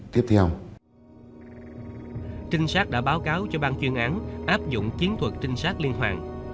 trinh sát đã báo cáo cho bang chuyên án áp dụng chiến thuật trinh sát liên hoàn